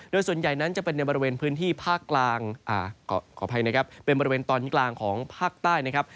โดยส่วนใหญ่นั้นจะเป็นในบริเวณพื้นที่ภาคกลางขออภัยนะครับเป็นบริเวณตอนกลางของภาคใต้นะครับ